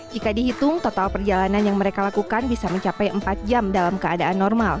jika dihitung total perjalanan yang mereka lakukan bisa mencapai empat jam dalam keadaan normal